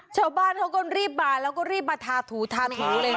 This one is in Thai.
ชาวบ้านเขาก็รีบมาแล้วก็รีบมาทาถูทาถูเลยนะ